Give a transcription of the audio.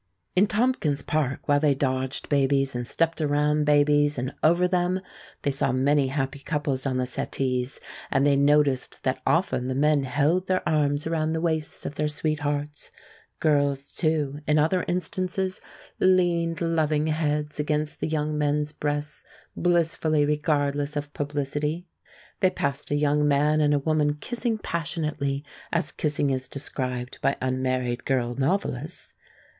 In Tompkins Park, while they dodged babies and stepped around babies and over them, they saw many happy couples on the settees, and they noticed that often the men held their arms around the waists of their sweethearts. Girls, too, in other instances, leaned loving heads against the young men's breasts, blissfully regardless of publicity. They passed a young man and a woman kissing passionately, as kissing is described by unmarried girl novelists.